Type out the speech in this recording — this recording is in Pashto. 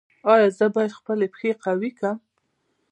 ایا زه باید خپل پښې قوي کړم؟